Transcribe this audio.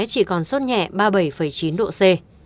chỉ còn sốt nhẹ ba mươi bảy chín độ c